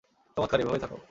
চমৎকার, এভাবেই থাকো।